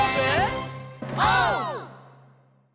オー！